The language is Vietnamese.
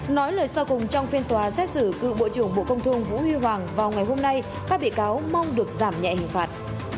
nói lời sau cùng trong phiên tòa xét xử cựu bộ trưởng bộ công thương vũ huy hoàng vào ngày hôm nay các bị cáo mong được giảm nhẹ hình phạt